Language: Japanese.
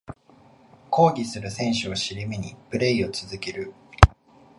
抗議する選手を尻目にプレイを続ける